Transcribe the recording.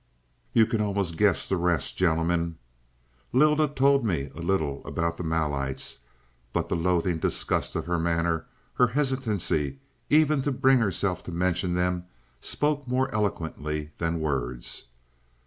"You can almost guess the rest, gentlemen. Lylda told me little about the Malites, but the loathing disgust of her manner, her hesitancy, even to bring herself to mention them, spoke more eloquently than words.